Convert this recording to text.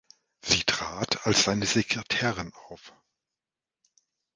Sie trat als seine Sekretärin auf.